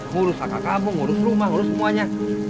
ngurus akak kamu ngurus rumah ngurus semuanya